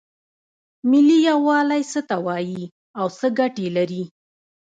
ملي یووالی څه ته وایې او څه ګټې لري؟